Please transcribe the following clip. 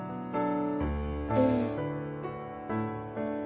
うん。